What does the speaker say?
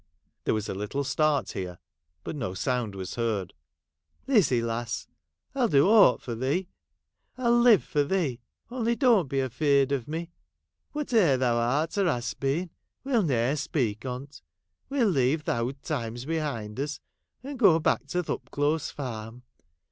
(There was a little start here, but no sound was heard). ' Lizzie, lass, I '11 do aught for thee ; I '11 live for thee ; only don't be afeard of me. Whate'er thou art or hast been, we'll ne'er speak on 't. We '11 leave th' oud times behind us, and go back to the Upclose Farm.